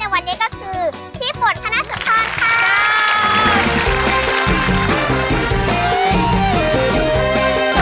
ในวันนี้ก็คือพี่ฝนคณะสุดท้อนค่ะ